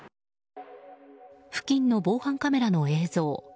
付近の防犯カメラの映像。